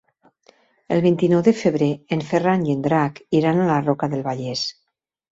El vint-i-nou de febrer en Ferran i en Drac iran a la Roca del Vallès.